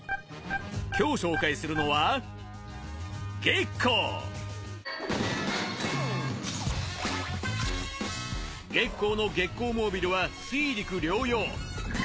今日紹介するのはゲッコーのゲッコー・モービルは水陸両用。